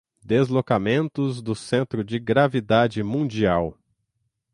Deslocamentos do Centro de Gravidade Mundial